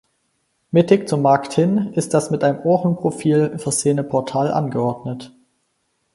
Mittig zum Markt hin ist das mit einem Ohrenprofil versehene Portal angeordnet.